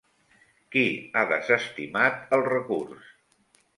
Qui ha desestimat el recurs?